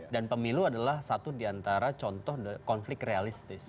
dan pemilu adalah satu diantara contoh konflik realistis